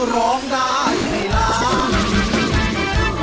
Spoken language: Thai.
ร้องได้ไงล่ะ